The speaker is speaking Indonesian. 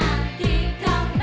awas aja awas aja